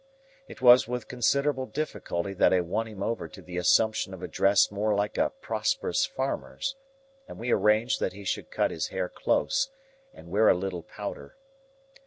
It was with considerable difficulty that I won him over to the assumption of a dress more like a prosperous farmer's; and we arranged that he should cut his hair close, and wear a little powder.